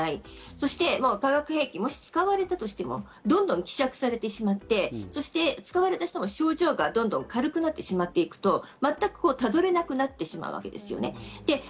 そして化学兵器がもし使われたとしても、どんどん希釈されてしまって、使われたとしても症状がどんどん軽くなってしまっていくと、全くたどれなくなってしまうわけです。